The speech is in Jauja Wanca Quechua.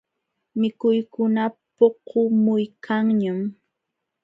Mikuykuna puqumuykanñam.